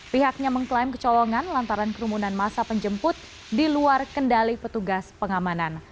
pihaknya mengklaim kecolongan lantaran kerumunan masa penjemput di luar kendali petugas pengamanan